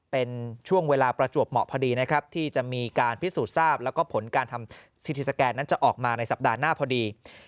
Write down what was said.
เป็นช่วงเวลาประจวบเหมาะพอดีนะครับที่จะมีการพิสูจน์ทราบแล้วก็ผลการทำซีทีสแกนนั้นจะออกมาในสัปดาห์หน้าพอดี